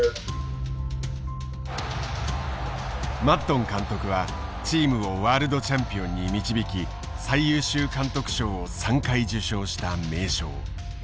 マッドン監督はチームをワールドチャンピオンに導き最優秀監督賞を３回受賞した名将。